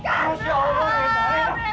masya allah men